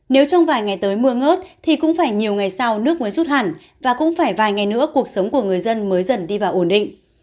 nếu trong vài ngày tới mưa ngớt thì cũng phải nhiều ngày sau nước mới rút hẳn và cũng phải vài ngày nữa cuộc sống của người dân mới dần đi vào ổn định